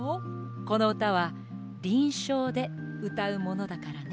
このうたはりんしょうでうたうものだからね。